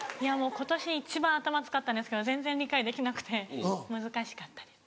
今年一番頭使ったんですけど全然理解できなくて難しかったです。